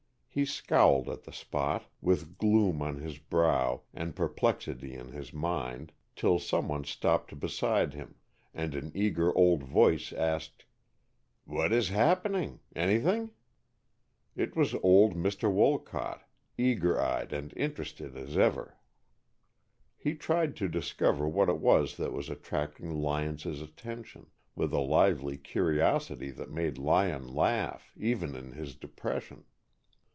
He scowled at the spot, with gloom on his brow and perplexity in his mind, till someone stopped beside him, and an eager old voice asked, "What is happening? Anything?" It was old Mr. Wolcott, eager eyed and interested as ever. He tried to discover what it was that was attracting Lyon's attention, with a lively curiosity that made Lyon laugh, even in his depression.